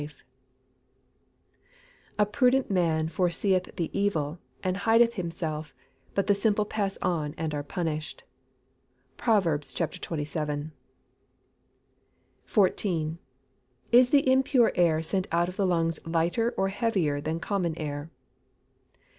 [Verse: "A prudent man forseeth the evil, and hideth himself; but the simple pass on, and are punished." PROVERBS XXVII.] 14. _Is the impure air sent out of the lungs lighter or heavier than common air?